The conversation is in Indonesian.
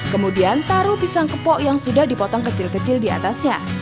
kemudian taruh pisang kepok yang sudah dipotong kecil kecil di atasnya